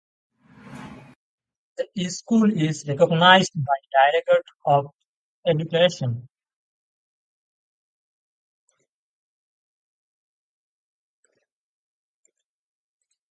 The school is recognized by Directorate of Education.